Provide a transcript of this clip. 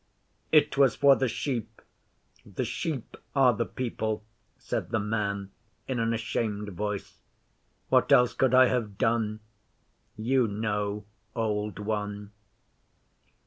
'It was for the sheep. The sheep are the people,' said the man, in an ashamed voice. 'What else could I have done? You know, Old One.